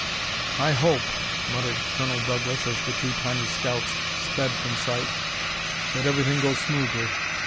"I hope," muttered Colonel Douglas as the two tiny scouts sped from sight, "that everything goes smoothly.